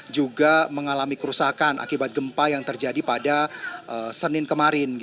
juga mengalami kerusakan akibat gempa yang terjadi pada senin kemarin